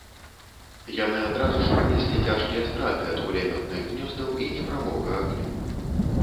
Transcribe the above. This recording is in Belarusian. Яны адразу ж панеслі цяжкія страты ад кулямётных гнёздаў і непрамога агню.